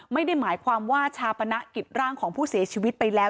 ไม่ได้หมายความว่าชาปนกิจร่างของผู้เสียชีวิตไปแล้ว